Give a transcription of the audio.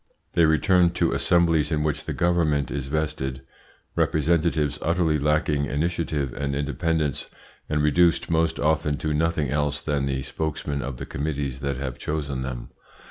They return to assemblies in which the Government is vested, representatives utterly lacking initiative and independence, and reduced most often to nothing else than the spokesmen of the committees that have chosen them.